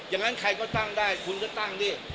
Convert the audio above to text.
อย่างนั้นใครก็ตั้งได้คุณก็ตั้งดิ